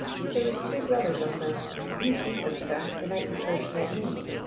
" There was two brothers of them ; you seed them, sir, the night you first met me.